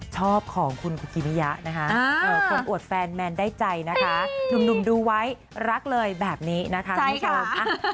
ชอบของคุณกุกิริยะนะคะคนอวดแฟนแมนได้ใจนะคะหนุ่มดูไว้รักเลยแบบนี้นะคะคุณผู้ชม